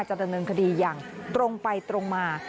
ดำเนินคดีอย่างตรงไปตรงมา